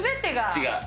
違う。